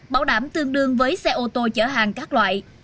bảo đảm tương đương với xe ô tô chở hàng các loại